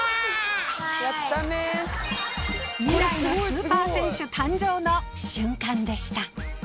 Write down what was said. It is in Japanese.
未来のスーパー選手誕生の瞬間でした。